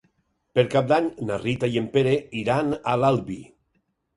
Per Cap d'Any na Rita i en Pere iran a l'Albi.